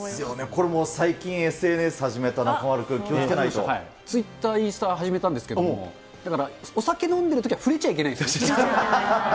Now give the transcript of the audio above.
これ、最近、ＳＮＳ始めた中ツイッター、インスタ始めたんですけど、だからお酒飲んでるときは触れちゃいけない。